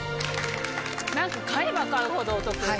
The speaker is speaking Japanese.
なんと買えば買うほどお得。